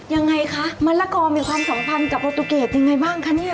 อย่างไรคะมะละกอมีความสัมพันธ์กับบรตุเกตยังไงบ้างคะ